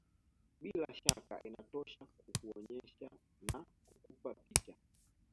Bila shaka inatosha kukuonyesha na kukupa picha